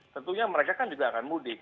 tentunya mereka kan juga akan mudik